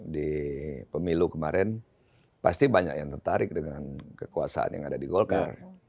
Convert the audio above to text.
di pemilu kemarin pasti banyak yang tertarik dengan kekuasaan yang ada di golkar